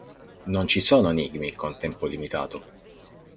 Non ci sono enigmi con tempo limitato.